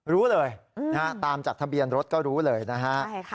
รู้เลยตามจากทะเบียนรถก็รู้เลยนะฮะ